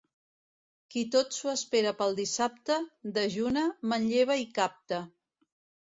Qui tot s'ho espera pel dissabte, dejuna, manlleva i capta.